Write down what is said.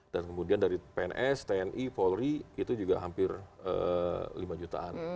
dan kemudian dari pns tni polri itu juga hampir lima jutaan